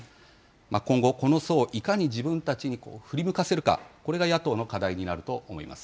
今後、この層をいかに自分たちに振り向かせるか、これが野党の課題になると思います。